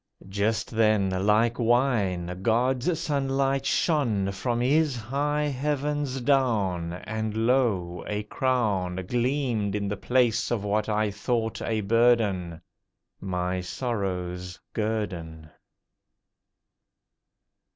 Just then, like wine, God's sunlight shone from His high Heavens down; And lo! a crown Gleamed in the place of what I thought a burden— My sorrow's guerdon.